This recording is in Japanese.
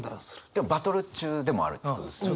でもバトル中でもあるってことですよね。